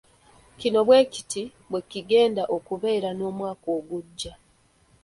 Kino bwekiti bwekigenda okubeera n'omwaka ogujja.